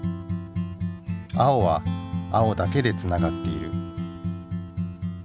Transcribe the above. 青は青だけでつながっている。